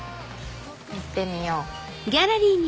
行ってみよう。